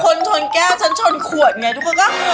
ชนชนแก้วฉันชนขวดไงทุกคนก็